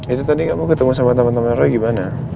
itu tadi kamu ketemu sama temen temen roy gimana